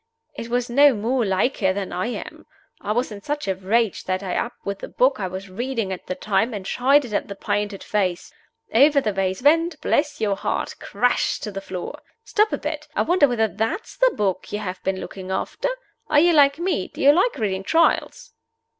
It was no more like her than I am. I was in such a rage that I up with the book I was reading at the time and shied it at the painted face. Over the vase went, bless your heart, crash to the floor. Stop a bit! I wonder whether that's the book you have been looking after? Are you like me? Do you like reading Trials?"